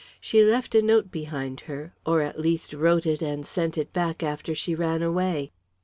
She left a note behind her or, at least, wrote it and sent it back after she ran away."